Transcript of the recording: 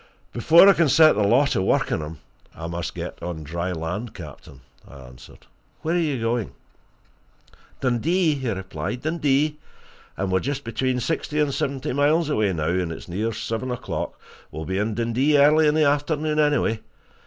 "Before I can set the law to work on him, I must get on dry land, captain," I answered. "Where are you going?" "Dundee," he replied. "Dundee and we're just between sixty and seventy miles away now, and it's near seven o'clock. We'll be in Dundee early in the afternoon, anyway.